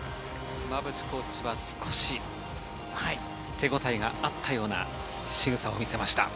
馬淵コーチは少し手応えがあったようなしぐさを見せました。